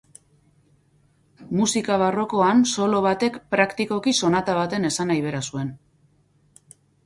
Musika barrokoan solo batek praktikoki sonata baten esanahi bera zuen.